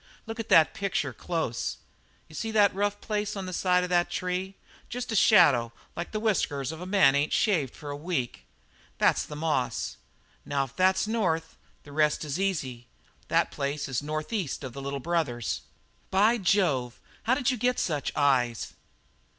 Look at that picture close. You see that rough place on the side of that tree jest a shadow like the whiskers of a man that ain't shaved for a week? That's the moss. Now if that's north, the rest is easy. That place is north east of the Little Brothers." "By Jove! how did you get such eyes?"